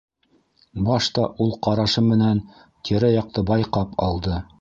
Башта ул ҡарашы менән тирә-яҡты байҡап алды.